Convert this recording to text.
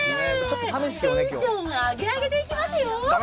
テンション上げ上げでいきますよ。